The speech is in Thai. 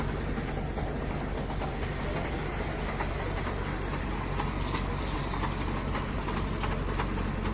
ออกมาก่อนออกมาก่อนพี่อันมีแก๊สอยู่ปล่อยมันปล่อยมัน